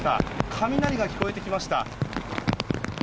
雷が聞こえてきました。